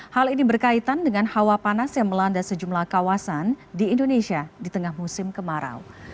hal ini berkaitan dengan hawa panas yang melanda sejumlah kawasan di indonesia di tengah musim kemarau